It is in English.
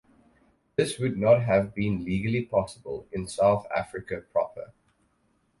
This would not have been legally possible in South Africa proper.